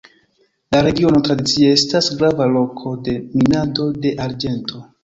La regiono tradicie estas grava loko de minado de arĝento.